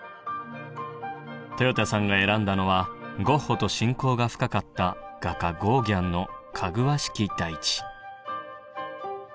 とよたさんが選んだのはゴッホと親交が深かった画家ゴーギャンの「かぐわしき大地」。